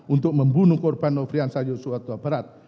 untuk membunuh korban nofrian sayoswata berat